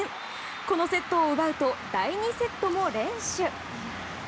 このセットを奪うと第２セットも連取。